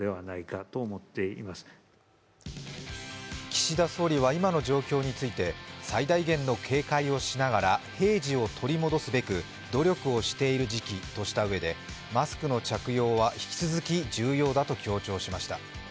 岸田総理は今の状況について最大限の警戒をしながら平時を取り戻すべく努力をしている時期としたうえでマスクの着用は引き続き重要だと強調しました。